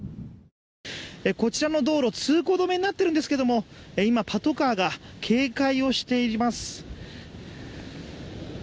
こちらの道路通行止めになってるんですけども、今パトカーが警戒をしています。